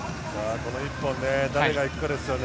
この１本、誰が行くかですよね。